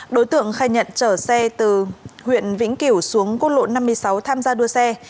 đối tượng khai nhận chở xe từ huyện vĩnh kiểu xuống quốc lộ năm mươi sáu tham gia đua xe